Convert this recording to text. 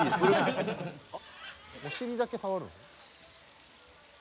「お尻だけ触るの？」